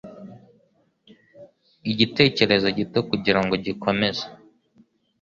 Igitekerezo gito kugirango gikomeze